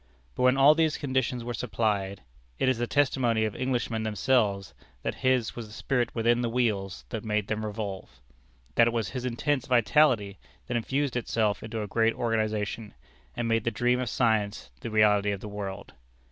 But when all these conditions were supplied, it is the testimony of Englishmen themselves that his was the spirit within the wheels that made them revolve; that it was his intense vitality that infused itself into a great organization, and made the dream of science the reality of the world.